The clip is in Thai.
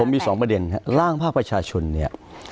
มี๒ประเด็นครับร่างภาคประชาชนเนี่ย